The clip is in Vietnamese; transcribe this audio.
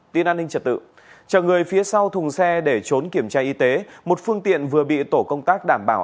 trở người phía sau thùng xe để trốn kiểm tra y tế một phương tiện vừa bị tổ công tác đảm bảo